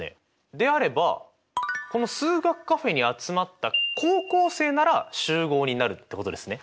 であればこの数学カフェに集まった高校生なら集合になるってことですね。